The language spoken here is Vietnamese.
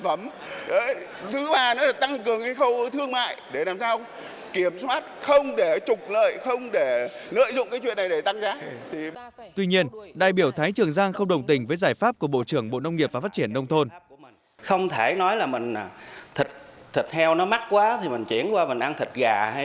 bộ trưởng nguyễn xuân cường bộ trưởng một âu nghiệp và phát triển đông thôn cho biết số đầu lợn mới bằng lại thời điểm trước khi có dịch nên hiện cung cầu vẫn chưa gặp được thiếu hụt thịt lợn